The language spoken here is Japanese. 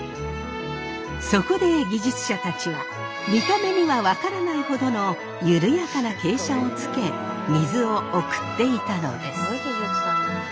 そこで技術者たちは見た目には分からないほどのゆるやかな傾斜をつけ水を送っていたのです。